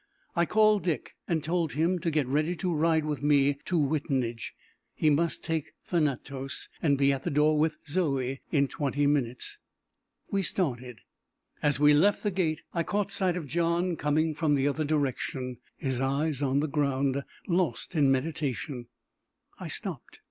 I called Dick, and told him to get ready to ride with me to Wittenage; he must take Thanatos, and be at the door with Zoe in twenty minutes. We started. As we left the gate, I caught sight of John coming from the other direction, his eyes on the ground, lost in meditation. I stopped.